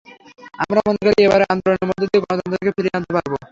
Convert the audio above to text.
আমরা মনে করি, এবারের আন্দোলনের মধ্য দিয়ে গণতন্ত্রকে ফিরিয়ে আনতে পারব।